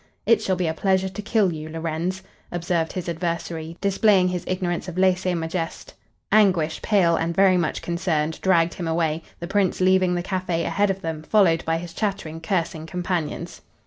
"It shall be a pleasure to kill you, Lorenz," observed his adversary, displaying his ignorance of lese majeste. Anguish, pale and very much concerned, dragged him away, the Prince leaving the cafe ahead of them, followed by his chattering, cursing companions.